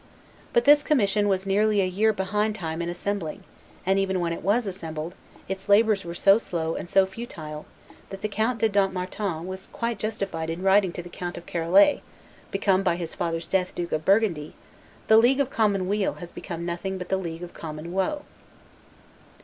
But this commission was nearly a year behind time in assembling, and, even when it was assembled, its labors were so slow and so futile, that the Count de Dampmartin was quite justified in writing to the Count of Charolais, become by his father's death Duke of Burgundy, "The League of common weal has become nothing but the League of common woe."